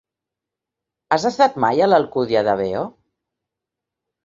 Has estat mai a l'Alcúdia de Veo?